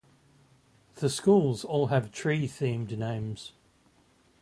The schools all have tree-themed names.